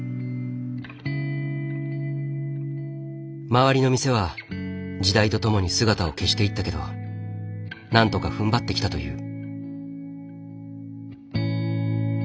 周りの店は時代とともに姿を消していったけどなんとかふんばってきたという。